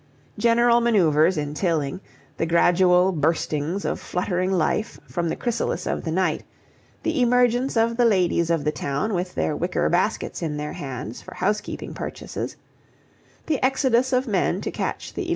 General manoeuvres in Tilling, the gradual burstings of fluttering life from the chrysalis of the night, the emergence of the ladies of the town with their wicker baskets in their hands for housekeeping purchases, the exodus of men to catch the 11.